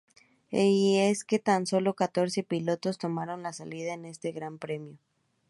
Y es que tan solo catorce pilotos tomaron la salida en este Gran Premio.